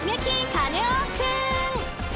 カネオくん！